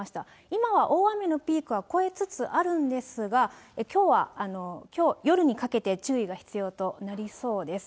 今は大雨のピークは超えつつあるんですが、きょう夜にかけて注意が必要となりそうです。